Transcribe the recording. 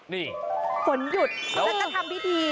นี่ฝนหยุดจะทำพิธี